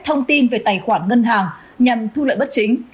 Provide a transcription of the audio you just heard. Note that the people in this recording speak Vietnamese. thông tin về tài khoản ngân hàng nhằm thu lợi bất chính